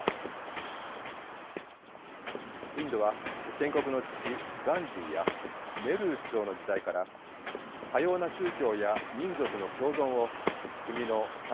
インドは建国の父ガンジーやネルー首相の時代から多様な宗教や民族の共存を国の大切な精神としてきました。